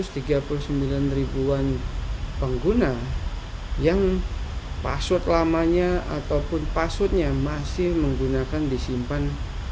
dan di sini ada sekitar seribu pengguna yang password lamanya ataupun passwordnya masih menggunakan disimpan